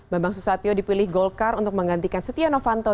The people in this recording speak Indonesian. bambang susatyo dipilih golkar untuk menggantikan setia novanto